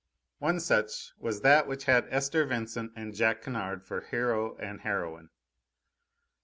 One such was that which had Esther Vincent and Jack Kennard for hero and heroine.